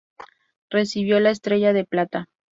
Recibió la Estrella de Plata.